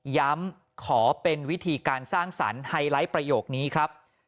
ขอเป็นวิธีการสร้างสรรค์ไฮไลท์ประโยคนี้ครับ